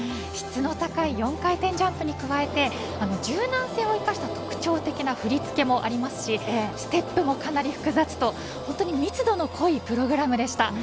質の高い４回転ジャンプに加えて柔軟性を生かした特徴的な振り付けもありますしステップもかなり複雑と本当に密度の濃いプログラムでした。